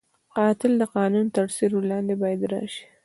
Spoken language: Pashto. قاتل د قانون تر سیوري لاندې باید راشي